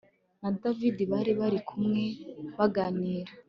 na david bari bari kumwe baganira